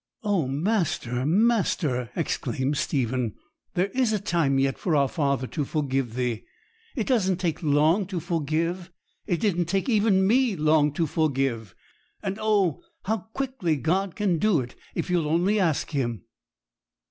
'Oh, master, master,' exclaimed Stephen, 'there is a time yet for our Father to forgive thee! It doesn't take long to forgive! It didn't take even me long to forgive; and oh, how quickly God can do it if you'll only ask Him!'